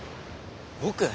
僕？